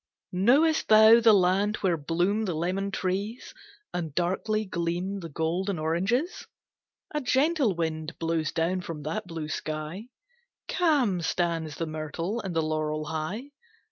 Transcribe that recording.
MIGNON Knowest thou the land where bloom the lemon trees, And darkly gleam the golden oranges? A gentle wind blows down from that blue sky; Calm stands the myrtle and the laurel high.